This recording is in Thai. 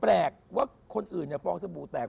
แปลกว่าคนอื่นฟองสบู่แตก